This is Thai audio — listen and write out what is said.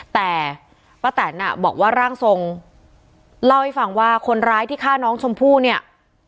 แต่ป้าแตนอ่ะบอกว่าร่างทรงเล่าให้ฟังว่าคนร้ายที่ฆ่าน้องชมพู่เนี่ย